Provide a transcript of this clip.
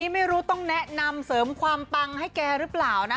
ไม่รู้ต้องแนะนำเสริมความปังให้แกหรือเปล่านะ